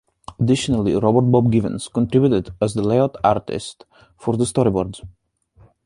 Additionally, Robert "Bob" Givens contributed as the layout artist for the storyboards.